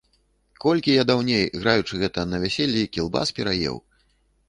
Колькі я даўней, граючы, гэта, на вяселлі, кілбас пераеў.